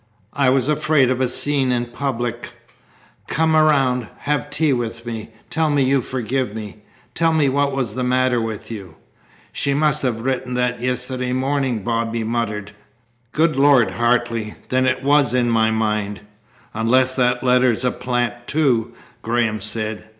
I was afraid of a scene in public. Come around. Have tea with me. Tell me you forgive me. Tell me what was the matter with you." "She must have written that yesterday morning," Bobby muttered. "Good Lord, Hartley! Then it was in my mind!" "Unless that letter's a plant, too," Graham said.